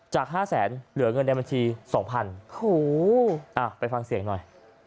จาก๕แสนเหลือเงินในบัญชี๒พันไปฟังเสียงหน่อย